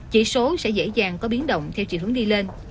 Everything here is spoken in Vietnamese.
chỉ số sẽ dễ dàng có biến động theo chiều hướng đi lên